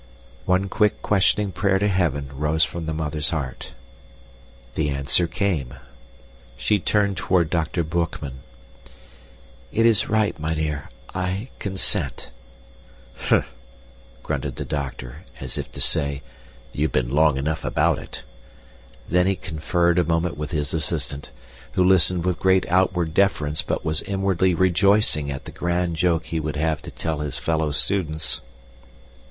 One quick, questioning prayer to Heaven rose from the mother's heart. The answer came. She turned toward Dr. Boekman. "It is right, mynheer. I consent." "Humph!" grunted the doctor, as if to say, "You've been long enough about it." Then he conferred a moment with his assistant, who listened with great outward deference but was inwardly rejoicing at the grand joke he would have to tell his fellow students.